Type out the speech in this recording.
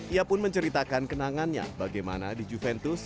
ia pun menceritakan kenangannya bagaimana di juventus